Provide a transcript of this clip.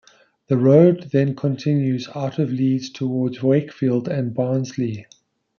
The road then continues out of Leeds towards Wakefield and Barnsley.